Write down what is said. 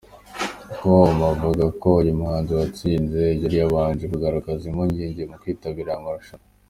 com , avuga ko uyu muhanzi watsinze yari yarabanje kugaragaza impungenge mu kwitabira aya marushanwa.